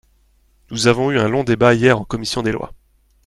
Nous avons eu un long débat hier en commission des lois.